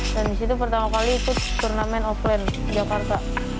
dan di situ pertama kali ikut turnamen offline jakarta